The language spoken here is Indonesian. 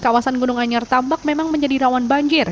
kawasan gunung anyartambak memang menjadi rawan banjir